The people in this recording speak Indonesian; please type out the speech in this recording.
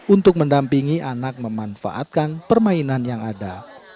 untuk mendampingi anak memanfaatkan permainan yang ada